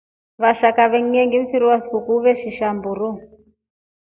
Vashaka vyenyengi mfiri wa sukuku veshinja mburu.